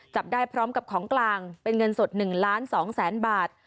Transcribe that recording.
จับได้พร้อมกับของกลางเป็นเงินสด๑ล้าน๒แสนบาท